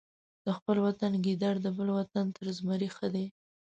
د خپل وطن ګیدړ د بل وطن تر زمري ښه دی.